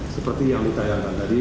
seperti yang ditayangkan tadi